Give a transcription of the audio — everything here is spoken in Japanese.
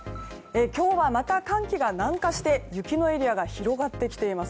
今日はまた寒気が南下して雪のエリアが広がってきています。